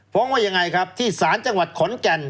ว่ายังไงครับที่ศาลจังหวัดขอนแก่น